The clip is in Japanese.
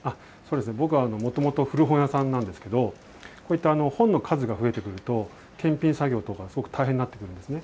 僕はもともと古本屋さんなんですけど、こういった本の数が増えてくると、検品作業とか、すごく大変になってくるんですね。